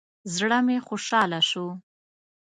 زړه مې خوشحاله شو.